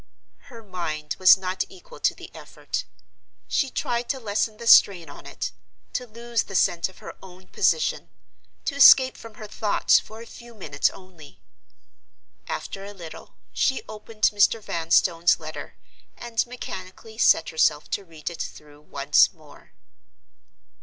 Her mind was not equal to the effort. She tried to lessen the strain on it—to lose the sense of her own position—to escape from her thoughts for a few minutes only. After a little, she opened Mr. Vanstone's letter, and mechanically set herself to read it through once more.